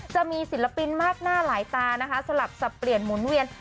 จะมีศิลปินมากหน้าหลายตานะคะสลับสับเปลี่ยนหมุนเวียน